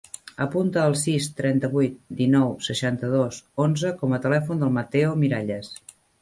Apunta el sis, trenta-vuit, dinou, seixanta-dos, onze com a telèfon del Matteo Miralles.